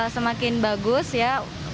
semakin bagus ya